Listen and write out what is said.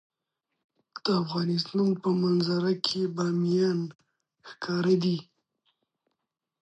د افغانستان په منظره کې بامیان ښکاره ده.